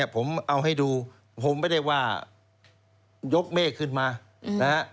ผมเอาให้ดูผมไม่ได้ว่ายกเมฆขึ้นมานะฮะ